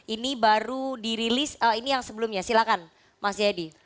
ini baru dirilis ini yang sebelumnya silakan mas jayadi